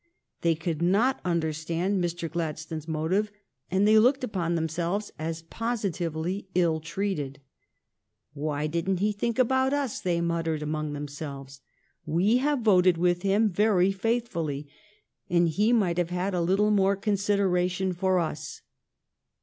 They could not under stand Mr. Gladstone's motive, and they looked upon themselves as positively ill treated. " Why didn't he think about us ?" they muttered among themselves. " We have voted with him very faith fully, and he might have had a little more consid eration for us."